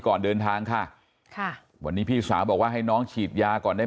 ก่อนเดินทางค่ะค่ะวันนี้พี่สาวบอกว่าให้น้องฉีดยาก่อนได้ไหม